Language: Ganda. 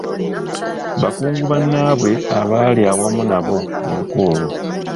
Bakungu bannaabwe abaali awamu nabo mu lukwe olwo.